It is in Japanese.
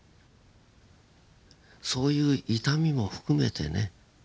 そういう痛みも含めてね